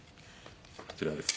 こちらです。